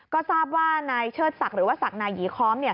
ก็ทราบว่านายเชิดศักดิ์หรือว่าศักดิ์นายีค้อม